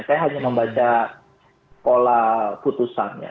saya hanya membaca pola putusannya